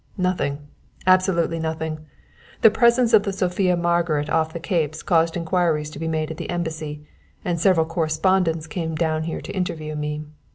"Nothing, absolutely nothing. The presence of the Sophia Margaret off the capes caused inquiries to be made at the embassy, and several correspondents came down here to interview me.